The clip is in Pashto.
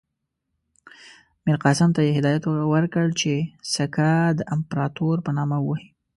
میرقاسم ته یې هدایت ورکړ چې سکه د امپراطور په نامه ووهي.